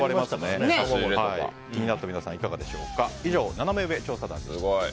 気になった皆さんいかがでしょうか。